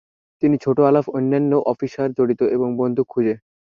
তিনি ছোট আলাপ অন্যান্য অফিসার জড়িত এবং বন্দুক খুঁজে।